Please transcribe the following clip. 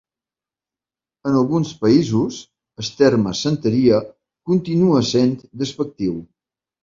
En alguns països, el terme santeria continua sent despectiu.